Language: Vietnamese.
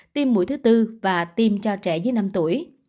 tiêm mũi thứ tư và tiêm cho trẻ dưới năm tuổi